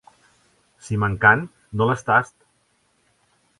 Si m'encant, no les tast!